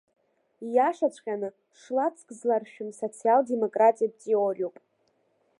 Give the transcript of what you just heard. Ииашаҵәҟьаны шлацк зларшәым социал-демократиатә теориоуп.